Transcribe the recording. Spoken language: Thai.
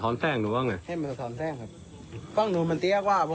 แล้วเจอโดนบ้านไหม